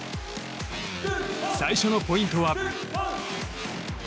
最初のポイントは。